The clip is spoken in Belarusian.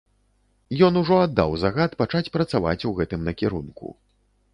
Ён ужо аддаў загад пачаць працаваць у гэтым накірунку.